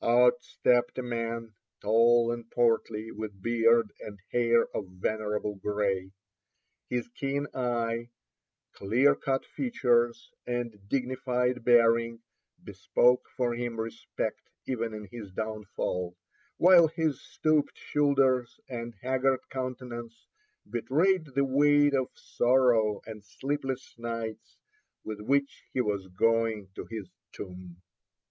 Out stepped a man, tall and portly, with beard and hair of venerable gray. His keen eye, clear cut features, and dignified bearing, bespoke for him respect even in his downfall, while his stooped shoulders and haggard countenance betrayed the weight of sorrow and sleepless nights with which he was going to his tomb.